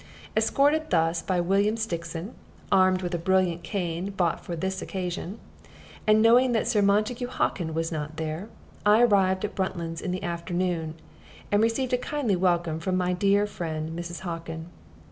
Escorted thus by William Stixon (armed with a brilliant cane bought for this occasion), and knowing that Sir Montague Hockin was not there, I arrived at Bruntlands in the afternoon, and received a kindly welcome from my dear friend Mrs. Hockin.